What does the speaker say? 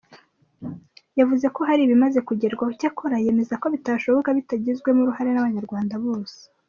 Yavuze ko hari ibimaze kugerwaho, icyakora yemeza ko bitashoboka bitagizwemo uruhare n’abanyarwanda bose.